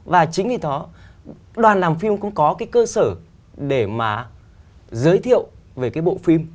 và chính vì đó đoàn làm phim cũng có cái cơ sở để mà giới thiệu về cái bộ phim